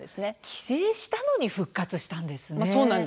規制したのに復活していたのですね。